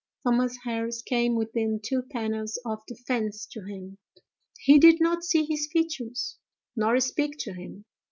Thomas Harris came within two panels of the fence to him; he did not see his features, nor speak to him.